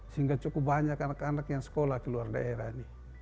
sehingga cukup banyak anak anak yang sekolah keluar daerah ini